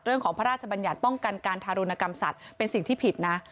พระราชบัญญัติป้องกันการทารุณกรรมสัตว์เป็นสิ่งที่ผิดนะ